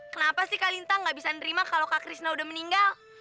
kenapa sih kak lintang gak bisa nerima kalau kak krishna udah meninggal